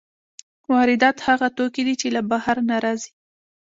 واردات هغه توکي دي چې له بهر نه راځي.